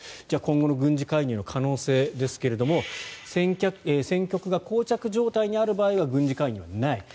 じゃあ今後の軍事介入の可能性ですが戦局がこう着状態にある場合は軍事介入はない。